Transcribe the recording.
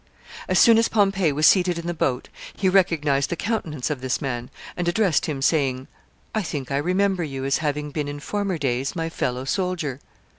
As soon as Pompey was seated in the boat, he recognized the countenance of this man, and addressed him, saying, "I think I remember you as having been in former days my fellow soldier."